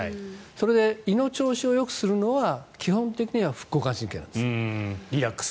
それで胃の調子をよくするのは基本的には副交感神経なんです。